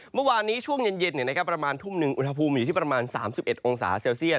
เมื่อวานนี้ช่วงเย็นประมาณทุ่มหนึ่งอุณหภูมิอยู่ที่ประมาณ๓๑องศาเซลเซียต